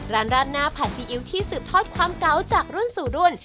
ราดหน้าผัดซีอิ๊วที่สืบทอดความเก๋าจากรุ่นสู่รุ่น